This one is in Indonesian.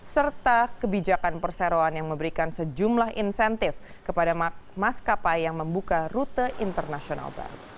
serta kebijakan perseroan yang memberikan sejumlah insentif kepada maskapai yang membuka rute internasional